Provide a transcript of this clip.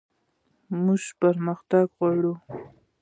موږ پرمختګ غواړو